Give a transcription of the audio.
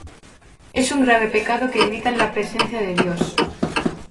Es un grave pecado que grita en la presencia de Dios.!